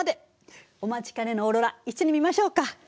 お待ちかねのオーロラ一緒に見ましょうか。